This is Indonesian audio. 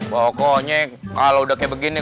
pokoknya kalau udah kayak begini